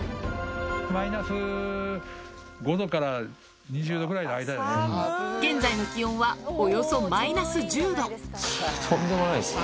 マイナス５度から２０度ぐら現在の気温は、およそマイナとんでもないっすね。